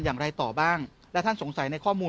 อย่างไรต่อบ้างและท่านสงสัยในข้อมูล